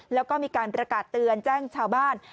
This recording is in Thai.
แล้วก็มีการประกาศเตือนแจ้งชาวบ้าน